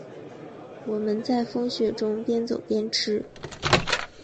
我们在风雪中边走边吃